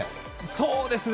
そうですね。